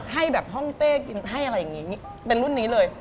ให้แบบห้องเต้กินให้อะไรอย่างนี้เป็นรุ่นนี้เลย